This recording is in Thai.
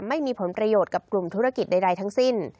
ไม่ได้ผลประโยชน์ใดทั้งสิ้น